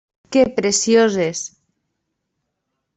Que preciós és!